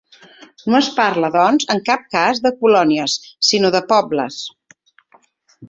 No es parla, doncs, en cap cas de ‘colònies’ sinó de ‘pobles’.